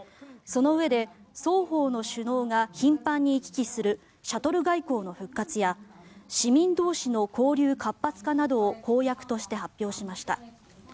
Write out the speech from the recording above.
そのうえで双方の首脳が頻繁に行き来するシャトル外交の復活や市民同士の交流活発化などを公約として発表しました。